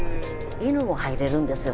犬も入れるんですよ